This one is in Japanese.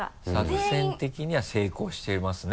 作戦的には成功してますね。